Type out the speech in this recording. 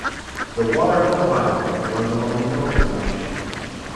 The Warrego Highway runs along the northern boundary.